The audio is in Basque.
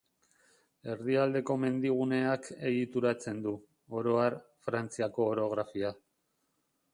Erdialdeko Mendiguneak egituratzen du, oro har, Frantziako orografia.